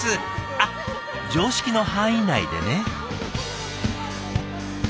あっ常識の範囲内でね。